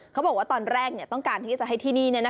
เขาบอกว่าตอนแรกต้องการที่จะให้ที่นี่